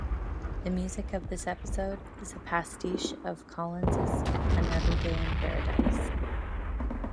The music of this episode is a pastiche of Collins's "Another Day in Paradise".